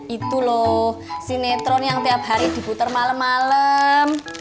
itu loh sinetron yang tiap hari dibuter malem malem